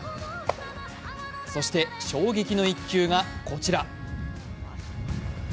そして、衝撃の一球がこちら。